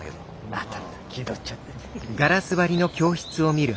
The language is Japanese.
またまた気取っちゃって。